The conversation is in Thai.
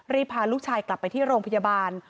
พาลูกชายกลับไปที่โรงพยาบาล